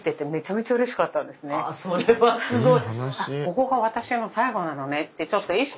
あそれはすごい。